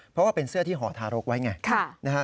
เพราะว่าเป็นเสื้อที่ห่อทารกไว้ไง